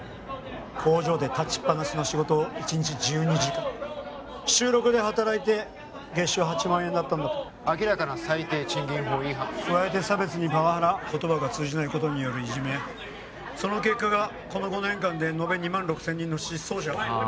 工場で立ちっぱなしの仕事を１日１２時間週６で働いて月収８万円だったんだと明らかな最低賃金法違反加えて差別にパワハラ言葉が通じないことによるいじめその結果がこの５年間でのべ２万６千人の失踪者あ